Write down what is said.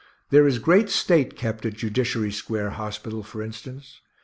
There is great state kept at Judiciary square hospital, for instance.